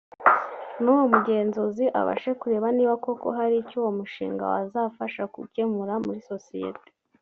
nuwo mugenzuzi abashe kureba niba koko hari icyo uwo mushinga wazafasha gukemura muri sosiyete